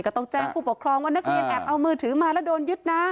ก็ต้องแจ้งผู้ปกครองว่านักเรียนแอบเอามือถือมาแล้วโดนยึดนะ